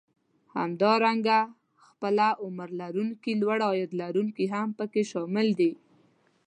همدارنګه پخه عمر لرونکي لوړ عاید لرونکي هم پکې شامل دي